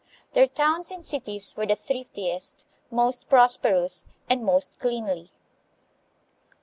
Their towns and cities were the thriftiest, most prosperous, and most cleanly.